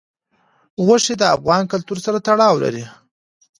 غوښې د افغان کلتور سره تړاو لري.